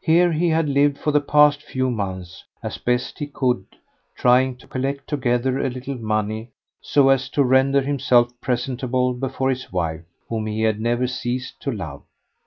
Here he had lived for the past few months as best he could, trying to collect together a little money so as to render himself presentable before his wife, whom he had never ceased to love.